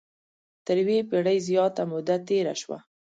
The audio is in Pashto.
تر یوې پېړۍ زیاته موده تېره شوه.